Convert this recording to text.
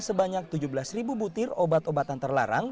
sebanyak tujuh belas ribu butir obat obatan terlarang